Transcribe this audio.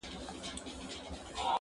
د چینار سر ته یې ورسیږي غاړه-